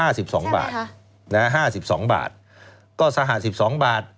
สิบสองบาทค่ะนะฮะห้าสิบสองบาทก็สหสิบสองบาท